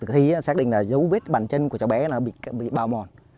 thì xác định là dấu vết bàn chân của cháu bé bị bào mòn